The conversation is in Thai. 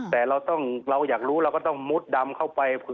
แต่เราอยากรู้เราก็ต้องมุดดำเข้าไป